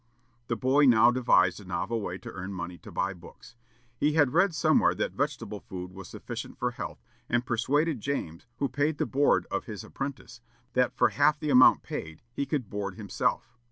The boy now devised a novel way to earn money to buy books. He had read somewhere that vegetable food was sufficient for health, and persuaded James, who paid the board of his apprentice, that for half the amount paid he could board himself.